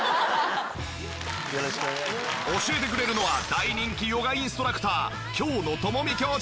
教えてくれるのは大人気ヨガインストラクター京乃ともみ教授！